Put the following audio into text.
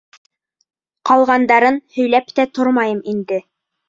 Ҡалғандарын һөйләп тә тормайым инде.